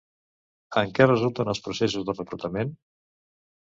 En què resulten els processos de reclutament?